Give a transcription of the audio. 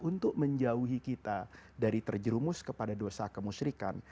untuk menjauhi kita dari terjerumus kepada dosa kemusrikan